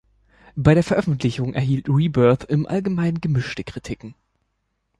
Bei der Veröffentlichung erhielt „Rebirth“ im Allgemeinen gemischte Kritiken.